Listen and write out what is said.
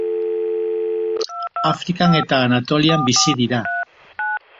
Afrikan eta Anatolian bizi dira.